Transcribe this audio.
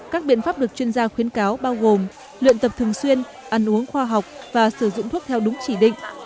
các biện pháp được chuyên gia khuyến cáo bao gồm luyện tập thường xuyên ăn uống khoa học và sử dụng thuốc theo đúng chỉ định